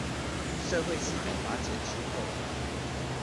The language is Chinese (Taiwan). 社會系統瓦解之後